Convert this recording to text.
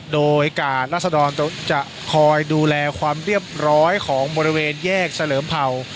โดยกาดรัศดรจะคอยดูแลความเรียบร้อยของบริเวณแยกเฉลิมเผ่า